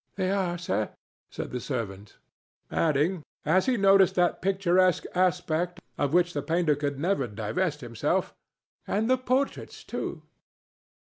"They are, sir," said the servant, adding, as he noticed that picturesque aspect of which the painter could never divest himself, "and the portraits too."